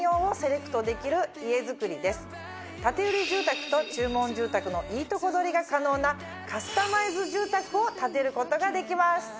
建売住宅と注文住宅のいいとこ取りが可能なカスタマイズ住宅を建てることができます。